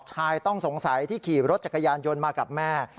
ชายต้องสงสัยที่ขี่รถจักรยานยนต์มากับแม่